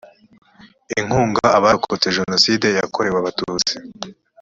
inkunga abarokotse jenoside yakorewe abatutsi